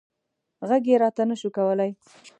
غږ یې راته نه شو کولی.